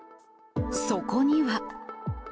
そこには。